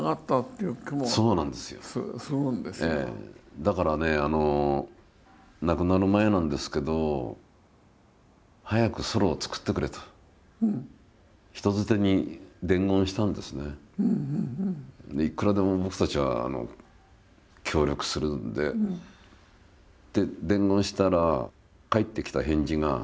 だからね亡くなる前なんですけどで「いくらでも僕たちは協力するんで」って伝言したらああ言ってました？